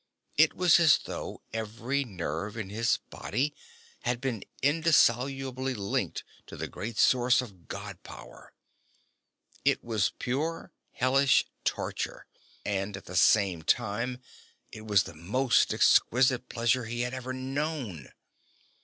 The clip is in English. It was as though every nerve in his body had been indissolubly linked to the great source of God power. It was pure, hellish torture, and at the same time it was the most exquisite pleasure he had ever known.